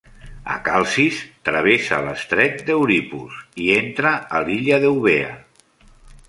A Calcis travessa l'estret d'Euripus i entra a l'illa d'Eubea.